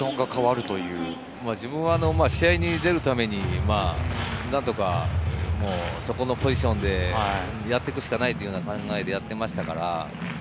自分は試合に出るために、何とかそこのポジションでやっていくしかないという考えでやっていましたから。